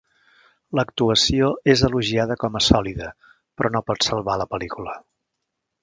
L'actuació és elogiada com a sòlida, però no pot salvar la pel·lícula.